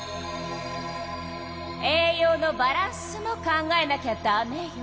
栄養のバランスも考えなきゃダメよ。